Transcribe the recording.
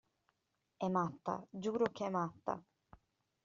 È matta, giuro che è matta!